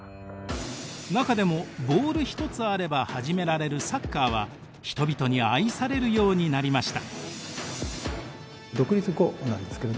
中でもボール一つあれば始められるサッカーは人々に愛されるようになりました。